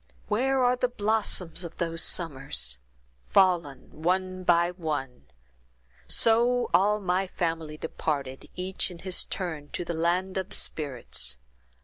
"Where are the blossoms of those summers!—fallen, one by one; so all of my family departed, each in his turn, to the land of spirits.